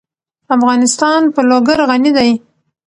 افغانستان په لوگر غني دی.